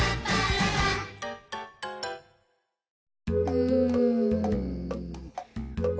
うん。